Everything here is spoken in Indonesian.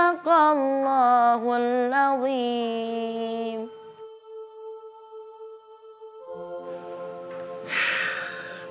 aku mau bekerja